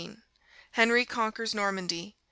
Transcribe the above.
Henry conquers Normandy.